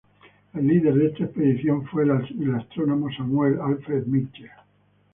El líder de esta expedición fue el astrónomo Samuel Alfred Mitchell.